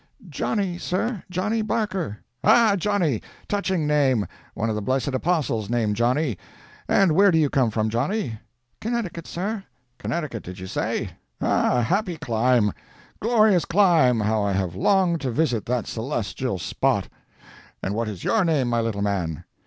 "'Johnny, sir—Johnny Barker.' "'Ah—Johnny. Touching name. One of the blessed apostles named Johnny. And where do you come from, Johnny?' "'Connecticut, sir.' "'Connecticut, did you say? Ah, happy clime—glorious clime how I have longed to visit that celestial spot. And what is your name, my little man?'